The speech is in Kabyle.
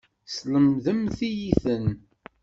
Teslemdemt-iyi-ten.